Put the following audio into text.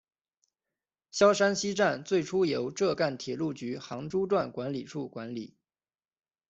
萧山西站最初由浙赣铁路局杭诸段管理处管理。